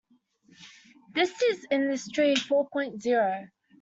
This is industry four point zero.